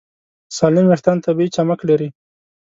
سالم وېښتيان طبیعي چمک لري.